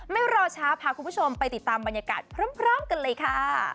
ไม่รอช้าพาคุณผู้ชมไปติดตามบรรยากาศพร้อมกันเลยค่ะ